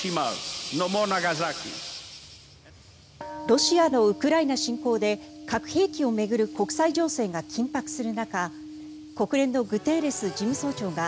ロシアのウクライナ侵攻で核兵器を巡る国際情勢が緊迫する中国連のグテーレス事務総長が